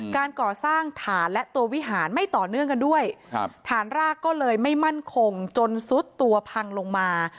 การก่อสร้างฐานและตัววิหารไม่ต่อเนื่องกันด้วยฐานรากก็เลยไม่มั่นคงจนซุดตัวพังลงมา